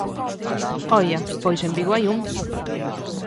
Oia, pois en Vigo hai un.